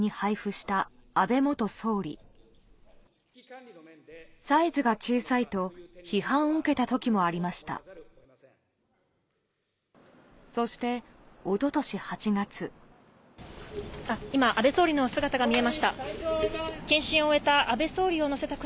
そして、今、安倍総理の姿が見えました。